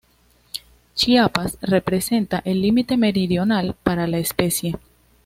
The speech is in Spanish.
Chiapas, representa el límite meridional para la especie.